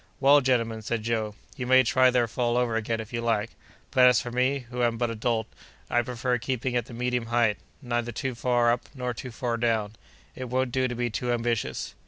"Well, gentlemen," said Joe, "you may try their fall over again, if you like; but, as for me, who am but a dolt, I prefer keeping at the medium height—neither too far up, nor too low down. It won't do to be too ambitious."